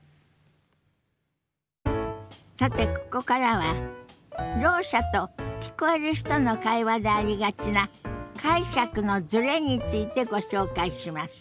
さてここからはろう者と聞こえる人の会話でありがちな解釈のズレについてご紹介します。